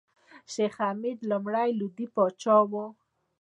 شېخ حمید لومړی لودي پاچا وو.